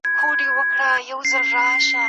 ګټور انسان د ټولنې ستره سرمایه ده.